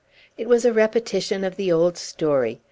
It was a repetition of the old story.